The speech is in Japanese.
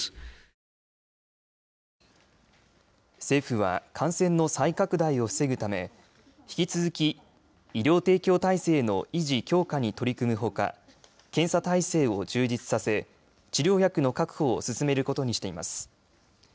政府は感染の再拡大を防ぐため引き続き医療提供体制の維持強化に取り組むほか検査体制を充実させ治療薬の確保を進めることにしています。